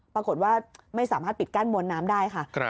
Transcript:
ปรากฏว่าไม่สามารถปิดกั้นมวลน้ำได้ค่ะ